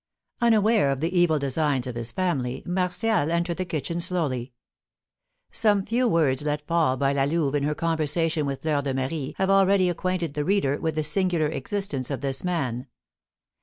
Unaware of the evil designs of his family, Martial entered the kitchen slowly. Some few words let fall by La Louve in her conversation with Fleur de Marie have already acquainted the reader with the singular existence of this man.